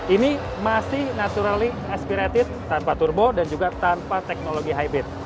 ini masih naturally aspirated tanpa turbo dan juga tanpa teknologi hybrid